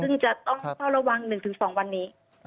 ซึ่งจะต้องเฝ้าระวัง๑๒วันนี้